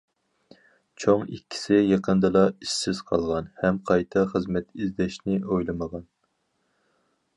چوڭ ئىككىسى يېقىندىلا ئىشسىز قالغان، ھەم قايتا خىزمەت ئىزدەشنى ئويلىمىغان.